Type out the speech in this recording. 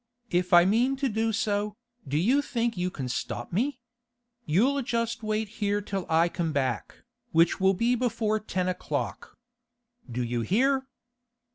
If I mean to do so, do you think you can stop me? You'll just wait here till I come back, which will be before ten o'clock. Do you hear?